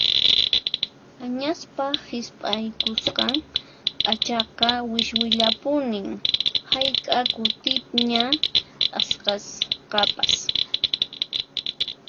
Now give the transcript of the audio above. Añaspaq hisp'aykusqan p'achaqa wiswillapuni hayk'a kutiña t'aqsasqapas.